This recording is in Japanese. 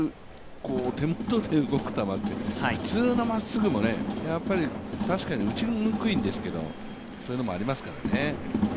動く球って、普通のまっすぐも確かに打ちにくいんですけどもそういうのもありますからね。